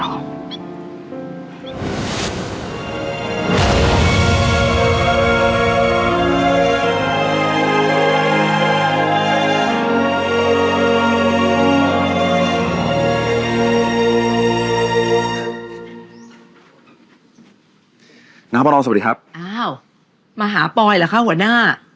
น้องพ่อน้องสวัสดีครับโอ้มาหาปอยหรอคะหัวหน้า